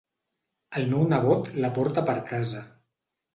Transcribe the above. El meu nebot la porta per casa.